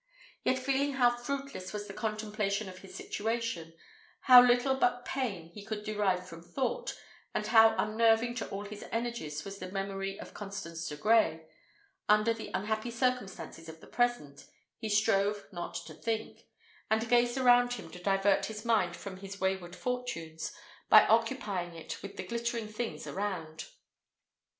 Yet feeling how fruitless was the contemplation of his situation, how little but pain he could derive from thought, and how unnerving to all his energies was the memory of Constance de Grey, under the unhappy circumstances of the present, he strove not to think; and gazed around him to divert his mind from his wayward fortunes, by occupying it with the glittering things around.